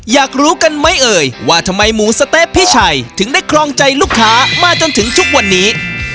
อยากรู้กันไหมเอ่ยว่าทำไมหมูสะเต๊ะพี่ชัยถึงได้ครองใจลูกค้ามาจนถึงทุกวันนี้